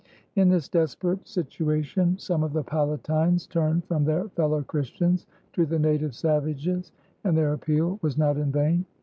In this desperate situation some of the Palatines turned from their fellow Christians to the native savages, and their appeal was not in vain.